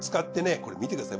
これ見てください